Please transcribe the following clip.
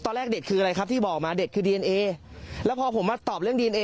ตอนแรกเด็กคืออะไรครับที่บอกมาเด็กคือดีเอนเอแล้วพอผมมาตอบเรื่องดีเอนเอ